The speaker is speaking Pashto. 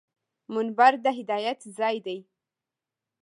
منبر د هدایت ځای دی